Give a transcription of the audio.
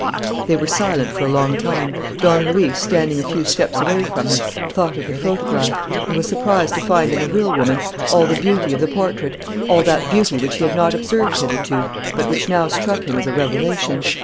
They were silent for a long time. Don Luis, standing a few steps away from her, thought of the photograph, and was surprised to find in the real woman all the beauty of the portrait, all that beauty which he had not observed hitherto, but which now struck him as a revelation.